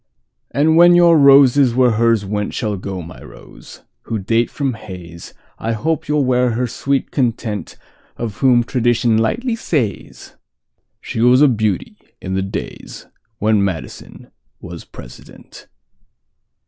And when your roses where hers wentShall go, my Rose, who date from Hayes,I hope you 'll wear her sweet contentOf whom tradition lightly says:She was a beauty in the daysWhen Madison was President.